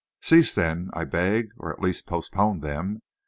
"Cease then, I beg, or at least postpone them.